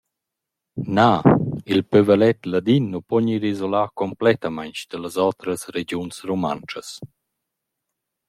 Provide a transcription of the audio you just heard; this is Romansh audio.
Na, il pövelet ladin nu po gnir isolà cumplettamaing da las otras regiuns rumantschas!